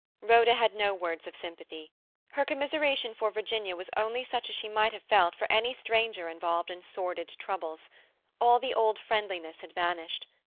Rhoda had no words of sympathy. Her commiseration for Virginia was only such as she might have felt for any stranger involved in sordid troubles; all the old friendliness had vanished.